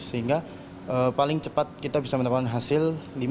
sehingga paling cepat kita bisa menemukan hasil